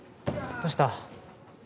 どうした？